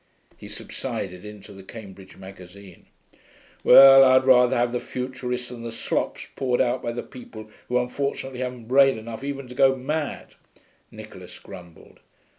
He subsided into the Cambridge Magazine. 'Well, I'd rather have the futurists than the slops poured out by the people who unfortunately haven't brain enough even to go mad,' Nicholas grumbled.